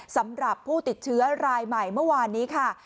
สำหรับผู้ติดเชื้อรายใหม่เมื่อวานนี้ค่ะ